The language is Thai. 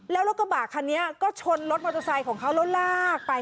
แล้วรถกระบะคันนี้ก็ชนรถมอเตอร์ไซค์ของเขาแล้วลากไป